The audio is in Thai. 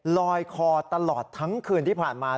ลอยคอตลอดทั้งคืนที่ผ่านมา